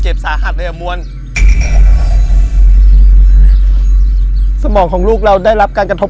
จนถึงวันนี้มาม้ามีเงิน๔ปี